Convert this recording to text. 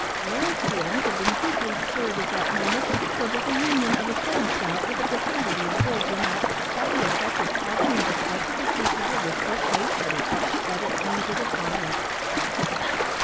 Larry's feelings had been deeply stirred at that moment, so that the union of the sudden shout, with the profundity of Bill's remark, had the effect of causing him to clutch at the tea kettle with such haste that he upset it into the fire.